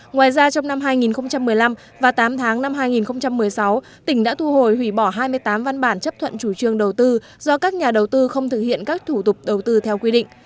ngoài ra trong năm hai nghìn một mươi năm và tám tháng năm hai nghìn một mươi sáu tỉnh đã thu hồi hủy bỏ hai mươi tám văn bản chấp thuận chủ trương đầu tư do các nhà đầu tư không thực hiện các thủ tục đầu tư theo quy định